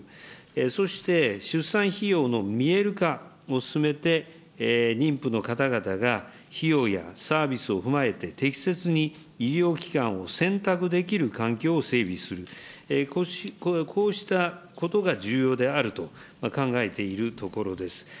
そして出産費用の見える化を進めて、妊婦の方々が費用やサービスを踏まえて、適切に医療機関を選択できる環境を整備する、こうしたことが重要であると考えているところです。